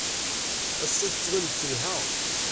Ass-a, tettban-d telha.